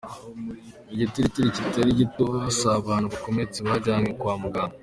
Igitigiri kitari gito c'abantu bakomeretse bajanywe kwa muganga.